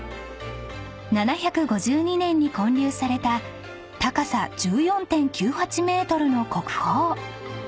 ［７５２年に建立された高さ１４．９８ｍの国宝］